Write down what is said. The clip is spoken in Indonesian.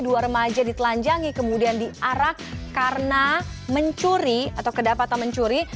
dua remaja ditelanjangi kemudian diarak karena mencuri atau kedapatan mencuri